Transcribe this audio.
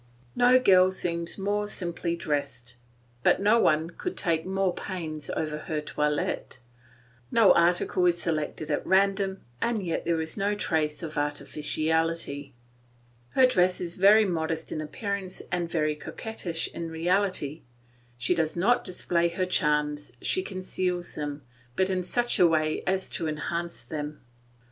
No girl seems more simply dressed, but no one could take more pains over her toilet; no article is selected at random, and yet there is no trace of artificiality. Her dress is very modest in appearance and very coquettish in reality; she does not display her charms, she conceals them, but in such a way as to enhance them.